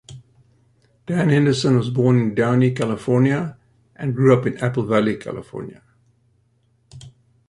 Dan Henderson was born in Downey, California and grew up in Apple Valley, California.